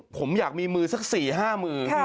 ผมอยากมีมือสัก๔๕มือ